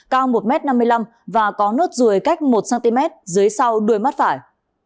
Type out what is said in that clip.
cao một m năm mươi năm và có nốt ruồi cách một cm dưới sau đuôi mắt phải